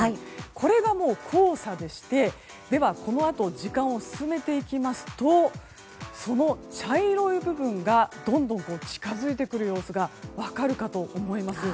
これがもう黄砂でしてこのあと時間を進めていきますとその茶色い部分がどんどんと近づいてくる様子が分かるかと思います。